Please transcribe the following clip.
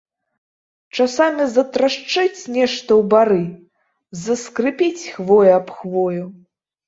Часамі затрашчыць нешта ў бары, заскрыпіць хвоя аб хвою.